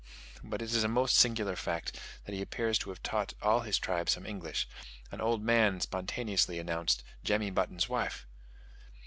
But it is a most singular fact, that he appears to have taught all his tribe some English: an old man spontaneously announced "Jemmy Button's wife."